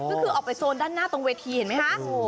ก็คือออกไปโซนด้านหน้าตรงเวทีเห็นไหมคะ